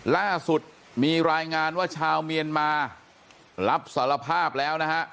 ล่าสุดมีรายงานว่าชาวเมียนมารับสารภาพแล้วนะฮะ